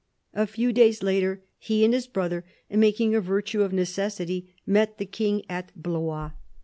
A few days later, he and his brother, " making a virtue of necessity," met the King at Blois.